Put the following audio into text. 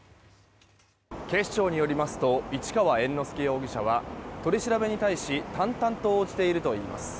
警視庁によりますと市川猿之助容疑者は取り調べに対し淡々と応じているといいます。